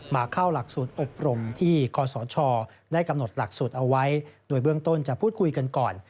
เข้าหลักสูตรอบรมที่คศได้กำหนดหลักสูตรเอาไว้โดยเบื้องต้นจะพูดคุยกันก่อน